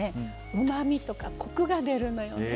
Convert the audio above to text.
うまみとかコクが出るのよね。